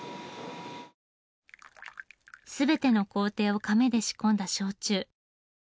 全ての工程をかめで仕込んだ焼酎。